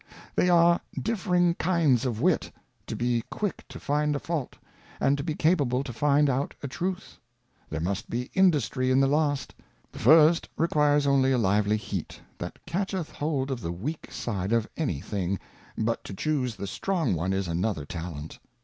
They are differing kinds of Wit, to be • quick to find a Fault, and to be capable to find out a Truth : There must be industry in the last ; the first requires only ; a lively heat, that catcheth hold of the weak side of any thing, but to choose the strong one is another Talent.